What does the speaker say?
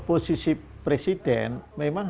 posisi presiden memang